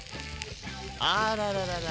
あららららら。